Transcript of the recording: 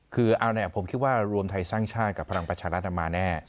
คือผมที่ว่ารวมไทยสร้างชาติกับพลังประชารัฐมาแน่